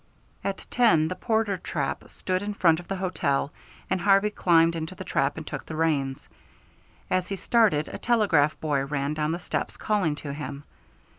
At ten, the Porter trap stood in front of the hotel, and Harvey climbed into the trap and took the reins. As he started, a telegraph boy ran down the steps calling to him.